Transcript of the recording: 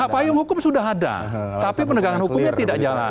payung hukum sudah ada tapi penegakan hukumnya tidak jalan